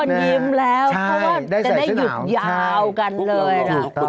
ทุกคนยิ้มแล้วใช่ได้ใส่เสื้อหนาวยาวกันเลยใช่พวกเราพวกเรา